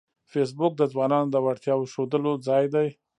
فېسبوک د ځوانانو د وړتیاوو ښودلو ځای دی